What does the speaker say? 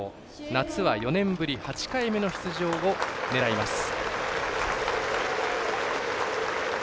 夏は４年ぶり８回目の出場を狙います。